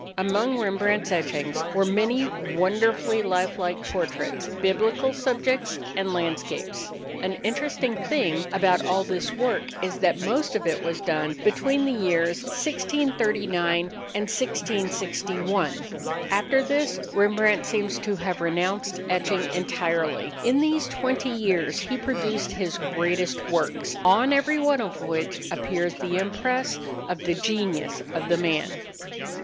Among Rembrandt's etchings were many wonderfully life like portraits, biblical subjects, and landscapes. An interesting thing about all this work is that most of it was done between the years 1639 and 1661. After this Rembrandt seems to have renounced etching entirely. In these twenty years he produced his greatest works, on every one of which appears the impress of the genius of the man.